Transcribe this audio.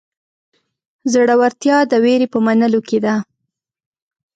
زړهورتیا د وېرې په منلو کې ده.